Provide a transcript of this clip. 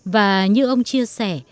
và như ông chia sẻ